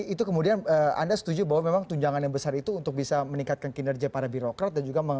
itu kemudian anda setuju bahwa memang tunjangan yang besar itu untuk bisa meningkatkan kinerja para birokrat